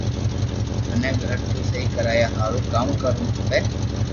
مني گھر نو سھي ڪرايا ھارون ڪاو ڪروُ کپي